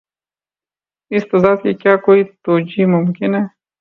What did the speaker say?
اس تضاد کی کیا کوئی توجیہہ ممکن ہے؟